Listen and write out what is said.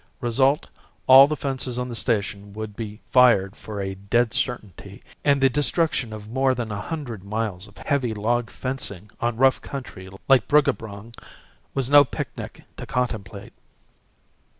Result, all the fences on the station would be fired for a dead certainty, and the destruction of more than a hundred miles of heavy log fencing on rough country like Bruggabrong was no picnic to contemplate.